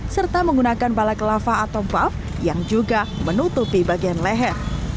serta menggunakan balai kelava atau puff yang juga menutupi bagian leher